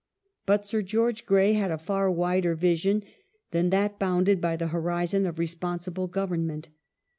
But Sir George Grey had a far wider vision than that bounded by the horizon of responsible government.